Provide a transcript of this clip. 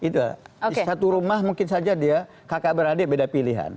di satu rumah mungkin saja dia kakak beradik beda pilihan